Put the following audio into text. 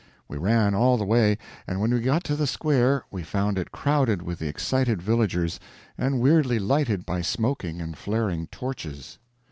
We ran all the way, and when we got to the square we found it crowded with the excited villagers, and weirdly lighted by smoking and flaring torches.